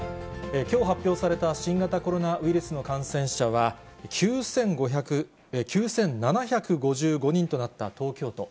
きょう発表された、新型コロナウイルスの感染者は、９７５５人となった東京都。